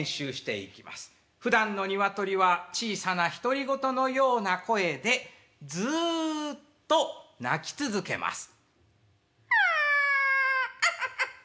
ふだんの鶏は小さな独り言のような声でずっと鳴き続けます。